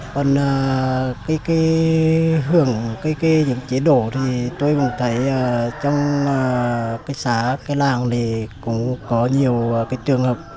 còn cái hưởng cái chế độ thì tôi cũng thấy trong cái xã cái làng này cũng có nhiều cái trường hợp